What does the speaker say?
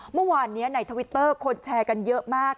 เมื่อวานนี้ในทวิตเตอร์คนแชร์กันเยอะมาก